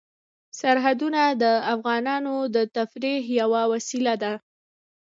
سرحدونه د افغانانو د تفریح یوه وسیله ده.